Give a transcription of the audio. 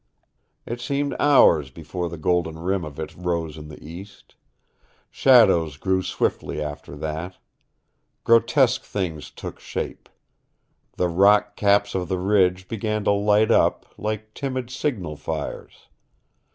It seemed hours before the golden rim of it rose in the east. Shadows grew swiftly after that. Grotesque things took shape. The rock caps of the ridge began to light up, like timid signal fires.